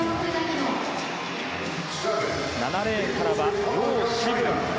７レーンからはヨウ・シブン。